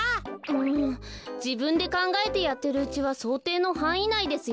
うんじぶんでかんがえてやってるうちはそうていのはんいいないですよねえ。